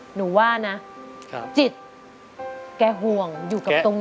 หนูว่านะจิตแกห่วงอยู่กับตรง